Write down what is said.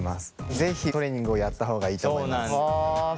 是非トレーニングをやった方がいいと思います。